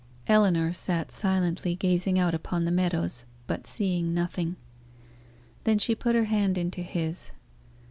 Ellinor sat silently gazing out upon the meadows, but seeing nothing. Then she put her hand into his.